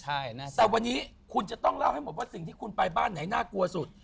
แต่วันนี้คุณจะต้องเล่าให้หมดว่าสิ่งที่คุณไปบ้านไหนน่ากลัวสุด